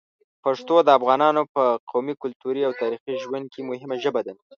پښتو د افغانانو په قومي، کلتوري او تاریخي ژوند کې مهمه ژبه ده.